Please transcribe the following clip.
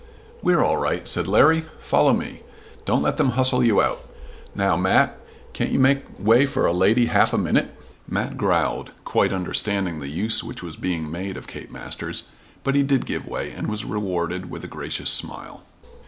"We're all right," said Larry. "Follow me. Don't let them hustle you out. Now, Mat, can't you make way for a lady half a minute?" Mat growled, quite understanding the use which was being made of Kate Masters; but he did give way and was rewarded with a gracious smile.